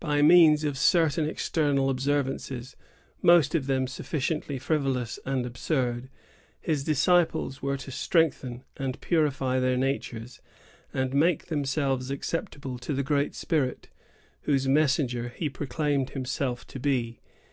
By means of certain external observances, most of them sufficiently frivolous and absurd, his disciples were to strengthen and purify their natures, and make themselves acceptable to the Great Spirit, whose messenger he proclaimed himself to be.